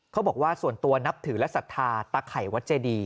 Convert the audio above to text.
เขาบอกว่าส่วนตัวนับถือและศรัทธาตะไข่วัดเจดี